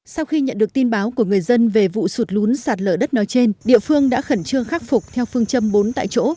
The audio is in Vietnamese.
sau khi nhận được tin báo của người dân về vụ sụt lún sạt lở đất nói trên địa phương đã khẩn trương khắc phục theo phương châm bốn tại chỗ